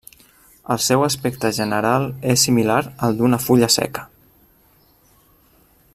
El seu aspecte general és similar al d'una fulla seca.